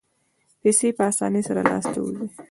پیسې په اسانۍ سره له لاسه وځي.